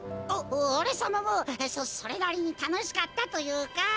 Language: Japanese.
おおれさまもそそれなりにたのしかったというか。